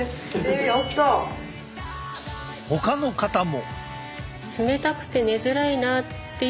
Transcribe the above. ほかの方も。